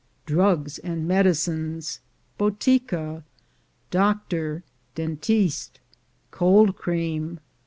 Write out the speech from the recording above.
Drugs and Medicines. Botica. Doctor — Dentiste. Cold Cream.